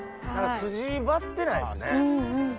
スジ張ってないですね。